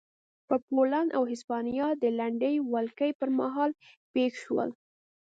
پر پولنډ او هسپانیا د لنډې ولکې پرمهال پېښ شول.